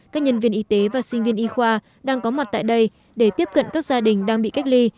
các nhân viên y tế và sinh viên y khoa đang có mặt tại đây để tiếp cận các gia đình đang bị cách ly